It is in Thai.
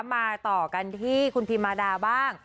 มาต่อกันที่คุณพิมมาดาบ้าง